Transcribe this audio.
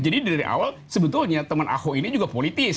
jadi dari awal sebetulnya teman ahok ini juga politis